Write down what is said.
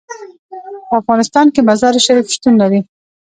په افغانستان کې مزارشریف شتون لري.